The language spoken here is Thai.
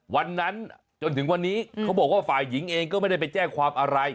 วันนั้นจนถึงวันนี้เขาบอกว่าฝ่ายหญิงเองก็ไม่ได้ไปแจ้งความอะไร